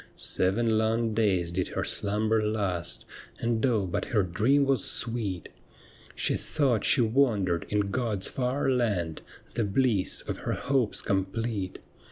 Seven long days did her slumber last, And oh but her dream was sweet ! She thought she wandered in God's far land. The bliss of her liopes complete.